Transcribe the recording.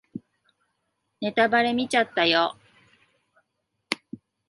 ネタバレ見ちゃったよ